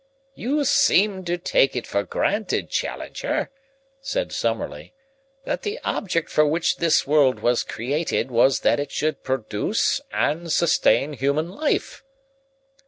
"You seem to take it for granted, Challenger," said Summerlee, "that the object for which this world was created was that it should produce and sustain human life."